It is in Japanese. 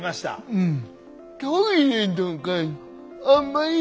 うん。